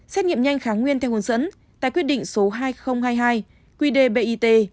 xét nghiệm nhanh kháng nguyên theo hướng dẫn tại quyết định số hai nghìn hai mươi hai quy đề bit